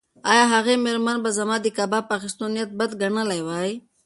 ایا هغه مېرمن به زما د کباب اخیستو نیت بد ګڼلی وای؟